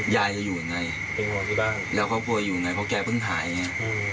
ยายจะอยู่อย่างไรแล้วก็กลัวอยู่อย่างไรเพราะแกเพิ่งหายอย่างนี้